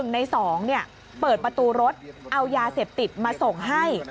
๑ใน๒เปิดประตูรถเอายาเสพติดมาส่งให้